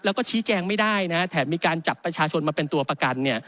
แล้วก็ชี้แจงไม่ได้นะฮะแถมมีการจับประชาชนมาเป็นตัวประกัน